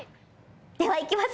ではいきます